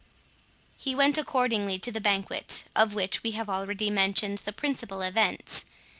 He went accordingly to the banquet, of which we have already mentioned the principal events.